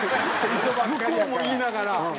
向こうも言いながら。